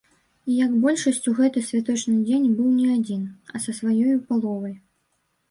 І як большасць у гэты святочны дзень быў не адзін, а са сваёю паловай.